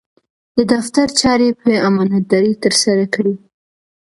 د دفتر چارې په امانتدارۍ ترسره کړئ.